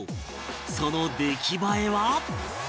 その出来栄えは？